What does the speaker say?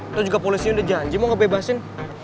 atau juga polisi udah janji mau ngebebasin